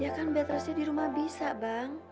ya kan bed restnya di rumah bisa bang